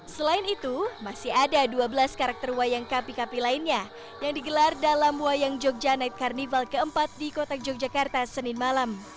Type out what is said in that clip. selain itu masih ada dua belas karakter wayang kapi kapi lainnya yang digelar dalam wayang jogja night carnival keempat di kota yogyakarta senin malam